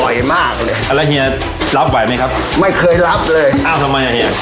บ่อยมากเลยแล้วเฮียรับไหวมั้ยครับไม่เคยรับเลยอ้ะทำไมอะเฮีย